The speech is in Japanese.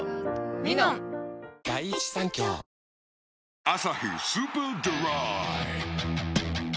「ミノン」「アサヒスーパードライ」